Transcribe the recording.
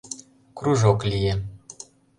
Кружок лие.